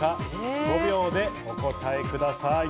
５秒でお答えください。